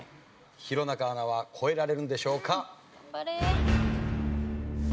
弘中アナは越えられるんでしょうか？